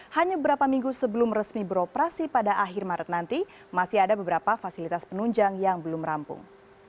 hanya beberapa minggu sebelum resmi beroperasi pada akhir maret nanti masih ada beberapa fasilitas penunjang yang belum rampung